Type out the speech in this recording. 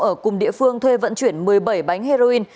ở cùng địa phương thuê vận chuyển một mươi bảy bánh heroin